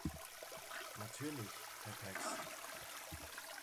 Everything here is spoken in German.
Natürlich, Herr Pex.